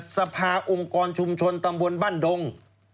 สภาองค์กรชุมชนตำบลบ้านดง